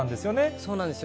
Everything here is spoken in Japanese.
そうなんですよ。